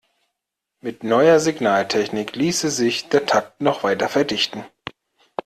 Mit neuer Signaltechnik ließe sich der Takt noch weiter verdichten.